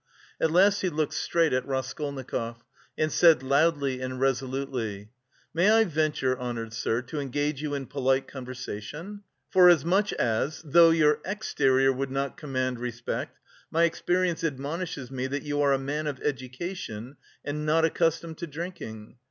At last he looked straight at Raskolnikov, and said loudly and resolutely: "May I venture, honoured sir, to engage you in polite conversation? Forasmuch as, though your exterior would not command respect, my experience admonishes me that you are a man of education and not accustomed to drinking.